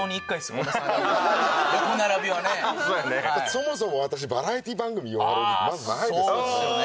そもそも私バラエティー番組呼ばれるのまずないですからね。